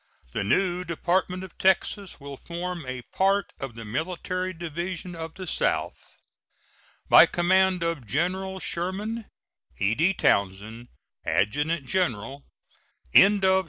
The new Department of Texas will form a part of the Military Division of the South. By command of General Sherman: E.D. TOWNSEND, Adjutant General. SECOND ANNUAL MESSAGE.